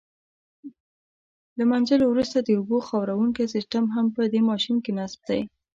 له منځلو وروسته د اوبو خاروونکی سیسټم هم په دې ماشین کې نصب دی.